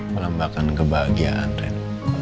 pelambakan kebahagiaan ren